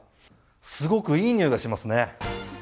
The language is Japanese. すごく良い匂いがしますね。